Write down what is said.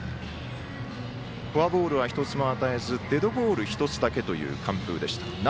フォアボールは１つも与えずデッドボール１つだけという内容でした。